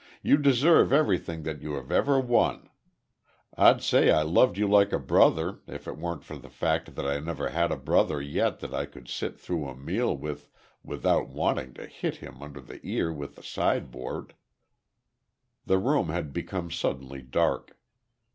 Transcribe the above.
You deserve everything that you have ever won. I'd say I loved you like a brother if it weren't for the fact that I never had a brother yet that I could sit through a meal with without wanting to hit him under the ear with the side board." [Illustration: "BYE, LITTLE SWEETHEART"] The room had become suddenly dark.